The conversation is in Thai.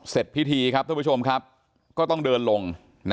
เสร็จพิธีครับท่านผู้ชมครับก็ต้องเดินลง